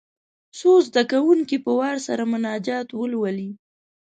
څو زده کوونکي په وار سره مناجات ولولي.